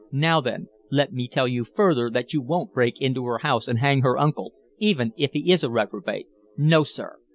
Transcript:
Now, then, let me tell you, further, that you won't break into her house and hang her uncle, even if he is a reprobate. No, sir!